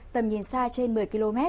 tầm nhìn xa trên một mươi km